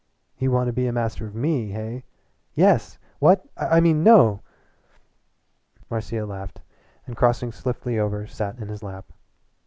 "You want to be Master of Me, hey?" "Yes! What? I mean, no!" Marcia laughed, and crossing swiftly over sat in his lap.